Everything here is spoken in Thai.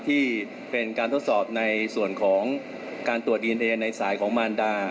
ที่เป็นการทดสอบในส่วนของการตรวจดีเอนเอในสายของมารดา